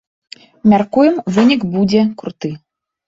Мяркуем, вынік будзе круты.